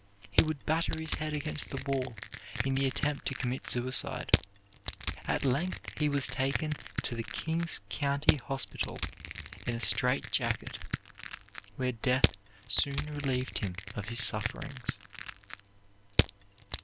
He would batter his head against the wall in the attempt to commit suicide. At length he was taken to the King's County Hospital in a strait jacket, where death soon relieved him of his sufferings.